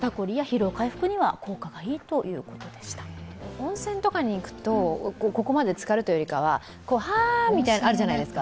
温泉とかに行くとここまでつかるというよりかははぁみたいなのあるじゃないですか。